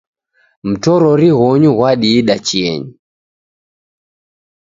Mtorori ghonyu ghwadiida chienyi.